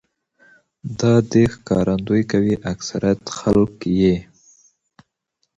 دا دې ښکارنديي کوي اکثريت خلک يې